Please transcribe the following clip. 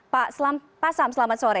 pak sam selamat sore